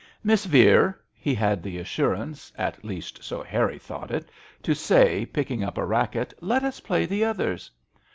"Miss Vere," he had the assurance — at least so Harry thought it — to say, picking up a racket, " let us play the others."